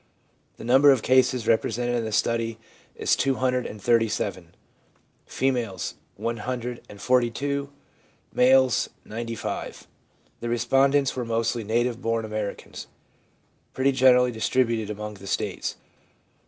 The number of cases represented in the study is two hundred and thirty seven (237) ; females, one hundred and forty two (142), males, ninety five (95) The respondents were mostly native born Americans, pretty generally distributed among the States.